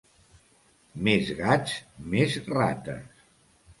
Més gats, més rates.